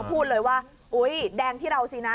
พูดเลยว่าอุ๊ยแดงที่เราสินะ